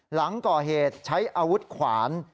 หลังก่อเหตุใช้อาวุธขวาน